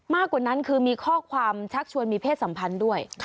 มากกว่านั้นคือมีข้อความชักชวนมีเพศสัมพันธ์ด้วย